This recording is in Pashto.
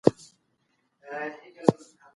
تېر څلوېښت کلونه له عبرتونو ډک دي.